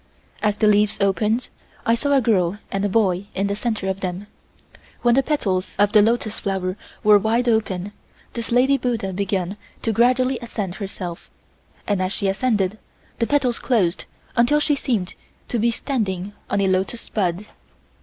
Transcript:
As the leaves opened I saw a girl and a boy in the center of them. When the petals of the lotus flower were wide open this lady buddha began to gradually ascend herself, and as she ascended, the petals closed until she seemed to be standing on a lotus bud.